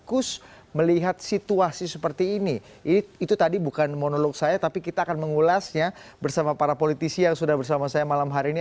ketika politikus melihat situasi seperti ini itu tadi bukan monolog saya tapi kita akan mengulasnya bersama para politisi yang sudah bersama saya malam hari ini